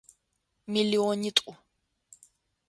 Миллионитӏу.